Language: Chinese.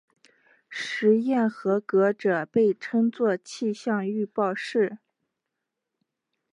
试验合格者被称作气象预报士。